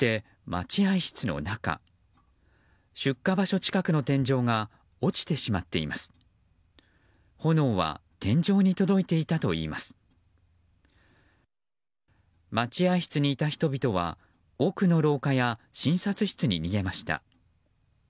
待合室にいた人々は奥の廊下や診察室に逃げました。